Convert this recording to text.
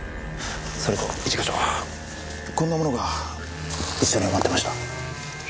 それと一課長こんなものが一緒に埋まってました。